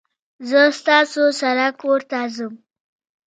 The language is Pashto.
زه ستاسو سره کورته ځم